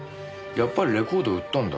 やっぱりレコード売ったんだ。